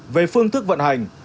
về phương thức vận hành